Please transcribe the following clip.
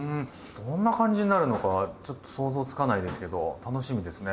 どんな感じになるのかちょっと想像つかないですけど楽しみですね！